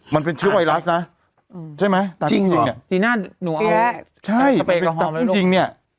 มันเป็นเชื้อไวรัสน่ะอืมใช่ไหมจริงเหรอจริงหน้าหนูเอาใช่แต่คุณจริงเนี้ย